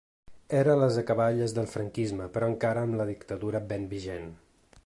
Era a les acaballes del franquisme, però encara amb la dictadura ben vigent.